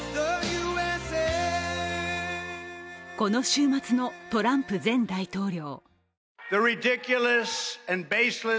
この週末のトランプ前大統領。